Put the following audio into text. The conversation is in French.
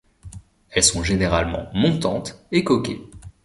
Elles sont généralement montantes et coquées.